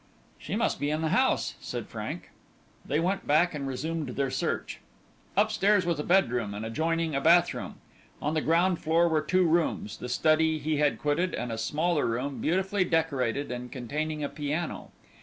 "She must be in the house," said Frank. They went back and resumed their search. Upstairs was a bedroom, and adjoining a bath room. On the ground floor were two rooms: the study he had quitted and a smaller room beautifully decorated and containing a piano.